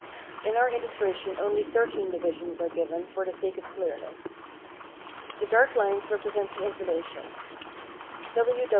In our illustration only thirteen divisions are given, for the sake of clearness. The dark lines represent the insulation.